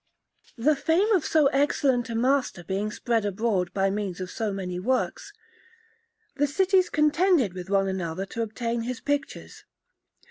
Panel_)] The fame of so excellent a master being spread abroad by means of so many works, the cities contended with one another to obtain his pictures.